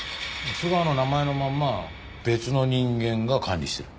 須川の名前のまんま別の人間が管理してる。